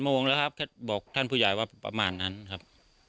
โมงแล้วครับแค่บอกท่านผู้ใหญ่ว่าประมาณนั้นครับ